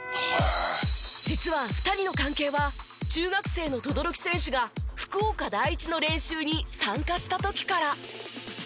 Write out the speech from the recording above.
実は２人の関係は中学生の轟選手が福岡第一の練習に参加した時から。